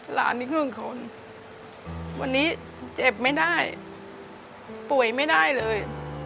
อีกครึ่งคนวันนี้เจ็บไม่ได้ป่วยไม่ได้เลย